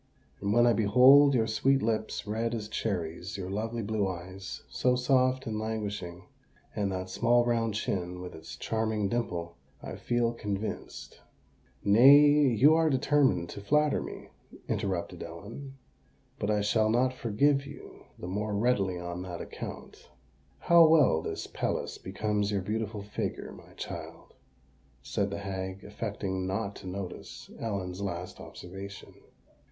"And when I behold your sweet lips, red as cherries—your lovely blue eyes, so soft and languishing—and that small round chin, with its charming dimple, I feel convinced——" "Nay—you are determined to flatter me," interrupted Ellen; "but I shall not forgive you the more readily on that account." "How well this pelisse becomes your beautiful figure, my child," said the hag, affecting not to notice Ellen's last observation.